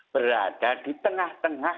berada di tengah tengah